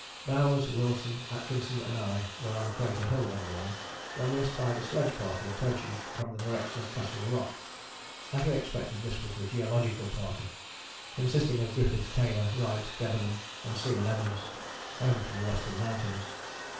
Bowers, Wilson, Atkinson and I were on Crater Hill one morning when we espied a sledge party approaching from the direction of Castle Rock. As we expected, this was the Geological party, consisting of Griffith Taylor, Wright, Debenham and Seaman Evans, home from the Western Mountains.